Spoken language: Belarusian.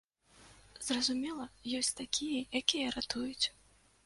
Зразумела, ёсць такія, якія ратуюць.